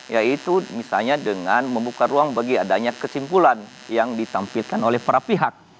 yaitu misalnya dengan membuka ruang bagi adanya kesimpulan yang ditampilkan oleh para pihak